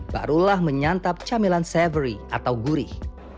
barulah menyantap camilan savery atau gurih